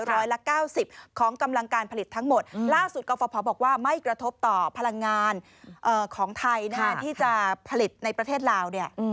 ร้อยละ๙๐ของกำลังการผลิตทั้งหมดล่าสุดกรฟภบอกว่าไม่กระทบต่อพลังงานของไทยที่จะผลิตในประเทศลาวเนี่ย